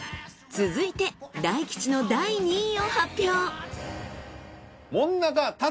続いて大吉の第２位を発表。